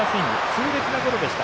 痛烈なゴロでした。